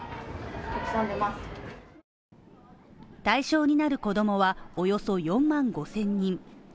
対象になる子供はおよそ４万５０００人。